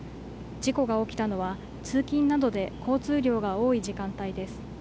事故が起きたのは通勤などで交通量が多い時間帯です。